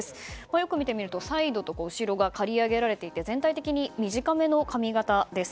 よく見てみるとサイド、後ろが刈り上げられていて全体的に短めの髪形です。